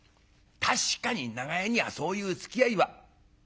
確かに長屋にはそういうつきあいはあるよ。